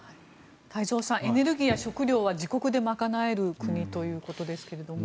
太蔵さんエネルギーや食糧は自国で賄える国ということですが。